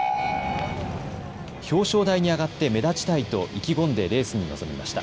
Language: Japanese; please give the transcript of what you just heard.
表彰台に上がって目立ちたいと意気込んでレースに臨みました。